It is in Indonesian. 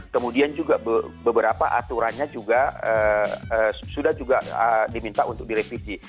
kemudian juga beberapa aturannya juga sudah juga diminta untuk direvisi